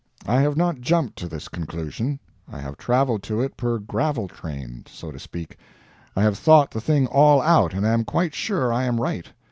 I have not jumped to this conclusion; I have traveled to it per gravel train, so to speak. I have thought the thing all out, and am quite sure I am right.